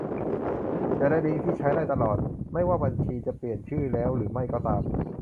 จะได้ลิงก์ที่ใช้ได้ตลอด ไม่ว่าบัญชีจะเปลี่ยนชื่อแล้วหรือไม่ก็ตาม